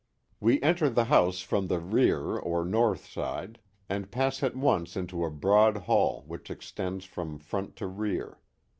We enter the house from the rear or north side, and pass at once into a broad hall which extends from front to rear.